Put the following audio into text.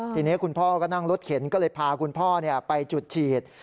ทีนี้คุณพ่อก็นั่งรถเข็นก็เลยพาคุณพ่อไปจุดฉีด